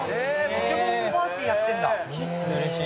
ポケモンのパーティーやってんだ。